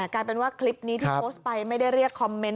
กลายเป็นว่าคลิปนี้ที่โพสต์ไปไม่ได้เรียกคอมเมนต